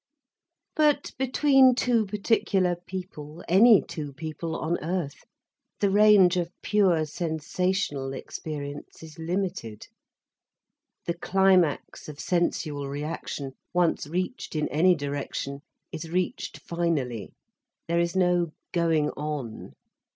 But between two particular people, any two people on earth, the range of pure sensational experience is limited. The climax of sensual reaction, once reached in any direction, is reached finally, there is no going on.